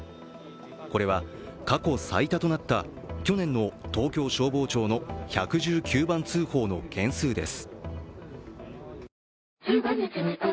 これは、過去最多となった去年の東京消防庁の１１９番通報の件数です。